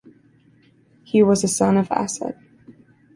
He was a son of Asad.